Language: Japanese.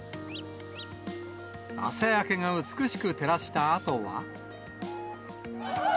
朝焼けが美しく照らしたあとは。